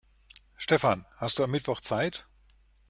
Stefan, hast du am Mittwoch Zeit?